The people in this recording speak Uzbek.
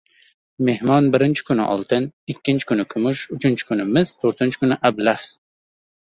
• Mehmon birinchi kuni — oltin, ikkinchi kun — kumush, uchinchi kun — mis, to‘rtinchi kun — ablah.